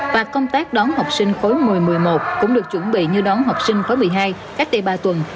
và công tác đón học sinh khối một mươi một mươi một cũng được chuẩn bị như đón học sinh khối một mươi hai các tỷ ba tuần